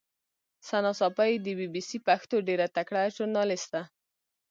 ثنا ساپۍ د بي بي سي پښتو ډېره تکړه ژورنالیسټه